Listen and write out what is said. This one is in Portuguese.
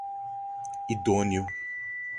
idôneo